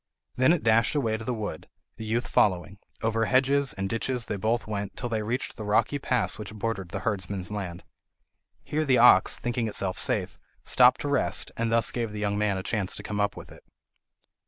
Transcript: Then it dashed away to the wood, the youth following; over hedges and ditches they both went, till they reached the rocky pass which bordered the herdsman's land. Here the ox, thinking itself safe, stopped to rest, and thus gave the young man a chance to come up with it.